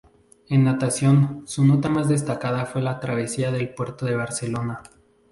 En natación, su nota más destacada fue la travesía del Puerto de Barcelona.